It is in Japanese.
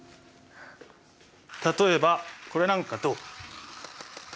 例えばこれなんかどう？